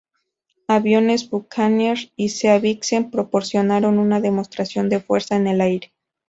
Aviones Buccaneer y Sea Vixen proporcionaron una demostración de fuerza en el aire.